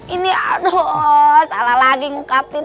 ini aduh salah lagi ngungkapin